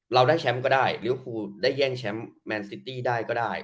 เราได้แชมป์ก็ได้ลิวฟูได้แย่งแชมป์แมนซิตี้ได้ก็ได้